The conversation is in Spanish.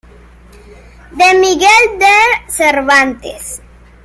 De Miguel de Cervantes.